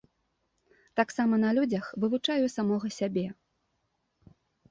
Таксама на людзях вывучаю самога сябе.